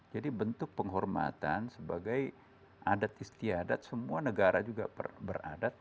jadi bentuk penghormatan sebagai adat istiadat semua negara juga beradat